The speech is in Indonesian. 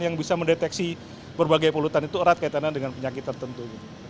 yang bisa mendeteksi berbagai polutan itu erat kaitannya dengan penyakit tertentu